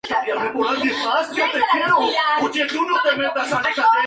Museo Nacional de Bellas Artes, La Habana.